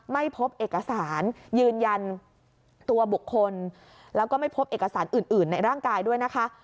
ไม่พบเอกสารยืนยันตัวบุคคลแล้วก็ไม่พบเอกสารอื่นในร่างกายด้วยนะคะ